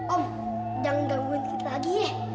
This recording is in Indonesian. om jangan gangguin kita lagi ye